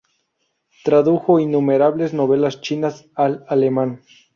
Tradujo innumerables novelas chinas al alemán.